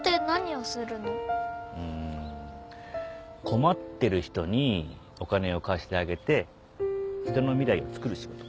困ってる人にお金を貸してあげて人の未来を作る仕事。